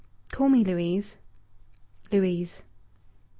"Call me Louise!" "Louise!"